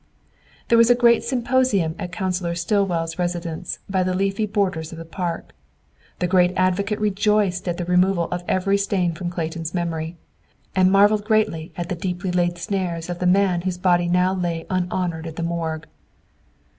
There was a great symposium at Counselor Stillwell's residence by the leafy borders of the park. The great advocate rejoiced at the removal of every stain from Clayton's memory, and marvelled greatly at the deeply laid snares of the man whose body now lay unhonored at the morgue.